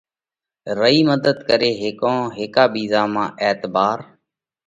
رئي مڌت ڪري هيڪونه؟ هيڪا ٻِيزا مانه اعتبار